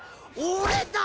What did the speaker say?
俺だ。